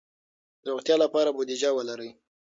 د روغتیا لپاره بودیجه ولرئ.